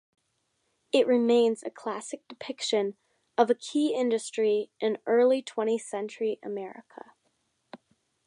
It remains a classic depiction of a key industry in early twentieth-century America.